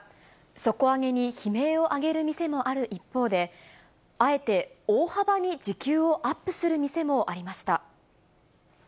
底上げに悲鳴を上げる店もある一方で、あえて大幅に時給をアップする店もありました。